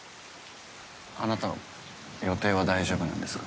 あなたは予定は大丈夫なんですか？